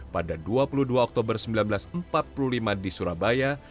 pada dua puluh dua oktober seribu sembilan ratus empat puluh lima di surabaya